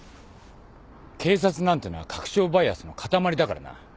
警察なんてのは確証バイアスの塊だからな。